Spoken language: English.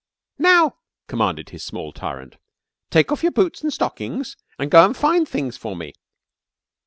"Now," commanded his small tyrant, "take off your boots an' stockings an' go an' find things for me."